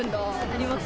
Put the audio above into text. あります。